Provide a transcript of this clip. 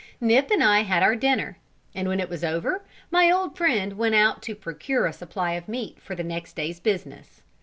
Nip and I had our dinner; and when it was over, my old friend went out to procure a supply of meat for the next day's business.